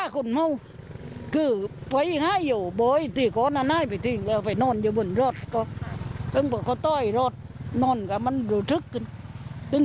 ก็คือไปกินเหล้าบ้านเพื่อนแต่เดินกลับมาบ้านเพื่อน